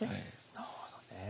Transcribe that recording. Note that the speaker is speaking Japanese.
なるほどね。